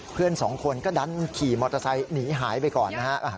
เพื่อนสองคนก็ดันขี่มอเตอร์ไซค์หนีหายไปก่อนนะฮะ